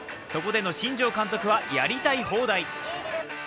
そこでの新庄監督はやりたい放題。